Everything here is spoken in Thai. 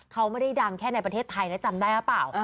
เขาไม่ได้ดังแค่ในประเทศไทยนะจำได้หรือเปล่า